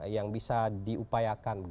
yang bisa diupayakan